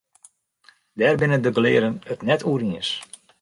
Dêr binne de gelearden it net oer iens.